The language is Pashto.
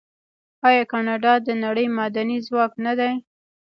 آیا کاناډا د نړۍ معدني ځواک نه دی؟